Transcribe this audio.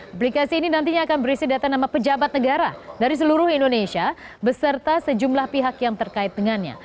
aplikasi ini nantinya akan berisi data nama pejabat negara dari seluruh indonesia beserta sejumlah pihak yang terkait dengannya